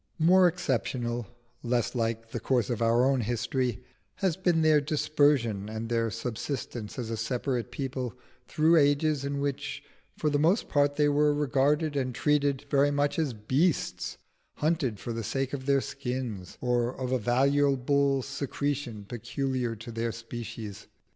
More exceptional less like the course of our own history has been their dispersion and their subsistence as a separate people through ages in which for the most part they were regarded and treated very much as beasts hunted for the sake of their skins, or of a valuable secretion peculiar to their species.